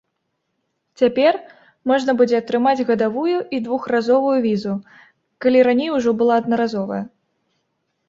Цяпер можна будзе атрымаць гадавую і двухразовую візу, калі раней ужо была аднаразовая.